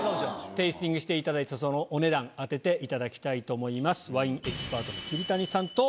テイスティングしていただいてそのお値段当てていただきたいと思います。